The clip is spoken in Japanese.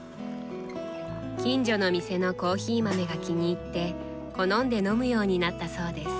近所の店のコーヒー豆が気に入って好んで飲むようになったそうです。